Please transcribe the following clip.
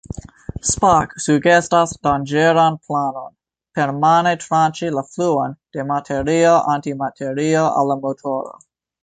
Spock sugestas danĝeran planon: permane tranĉi la fluon de materio-antimaterio al la motoro.